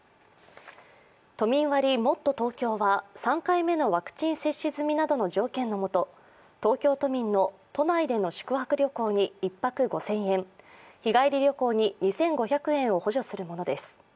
都民割もっとＴｏｋｙｏは３回目のワクチン接種済みなどの条件の下東京都民の都内での宿泊旅行に１泊５０００円日帰り旅行に２５００円を補助するものです。